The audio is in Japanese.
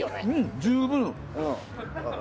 十分。